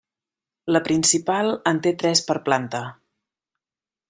La principal en té tres per planta.